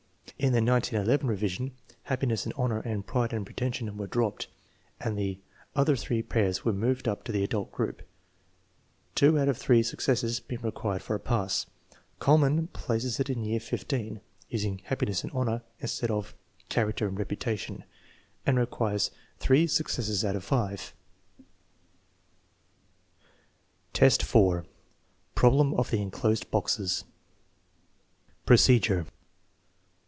In the 1911 revision, " happiness and honor " and " pride and pre tension " were dropped, and the other three pairs were moved up to the adult group, two out of three successes being required for a pass. Kuhlmann places it in year XV, using " happiness and honor " instead of our " character and reputation," and requires three successes out of five. Average adult, 4: problem of the enclosed boxes Procedure.